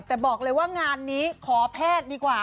แต่บอกเลยว่างานนี้ขอแพทย์ดีกว่า